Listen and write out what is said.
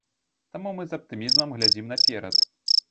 Таму мы з аптымізмам глядзім наперад.